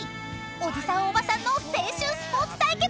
［おじさんおばさんの青春スポーツ対決］